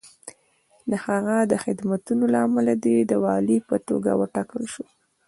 د هغه د خدمتونو له امله دی د والي په توګه وټاکل شو.